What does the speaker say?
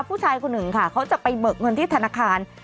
ผู้ชายคนหนึ่งค่ะเขาจะไปเบิกเงินที่ธนาคาร